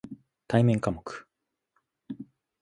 対面科目